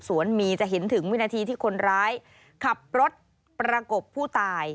มีจะเห็นถึงวินาทีที่คนร้ายขับรถประกบผู้ตาย